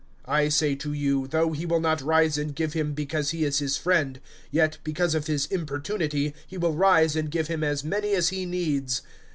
(8)I say to you, though he will not rise and give him because he is his friend, yet because of his importunity he will rise and give him as many as he needs.